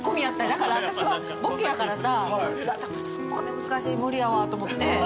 だから私はボケやからさツッコミ難しい無理やわと思って。